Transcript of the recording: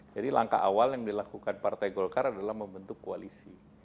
jadi langkah awal yang dilakukan partai golkar adalah membentuk koalisi